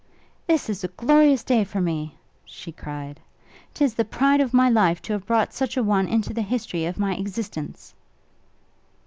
'This is a glorious day for me!' she cried; ''tis the pride of my life to have brought such a one into the history of my existence!'